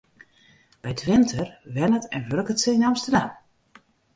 By 't winter wennet en wurket se yn Amsterdam.